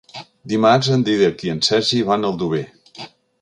Dimarts en Dídac i en Sergi van a Aldover.